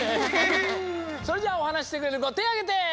それじゃあおはなししてくれるこてをあげて！